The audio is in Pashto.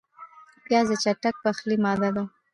پیاز د چټک پخلي ماده ده